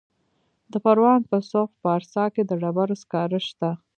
د پروان په سرخ پارسا کې د ډبرو سکاره شته.